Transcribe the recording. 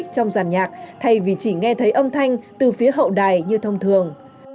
trong giàn nhạc thay vì chỉ nghe thấy âm thanh từ phía hậu đài như thông thường